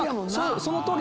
そのとおり。